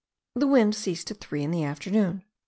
The wind ceased at three in the afternoon.